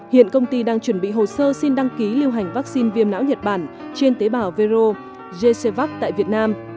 hiện công ty đang chuẩn bị hồ sơ xin đăng ký lưu hành vaccine viêm não nhật bản trên tế bào vero gcuc tại việt nam